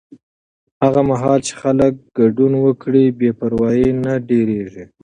هغه مهال چې خلک ګډون وکړي، بې پروایي نه ډېرېږي.